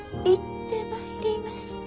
行ってまいります。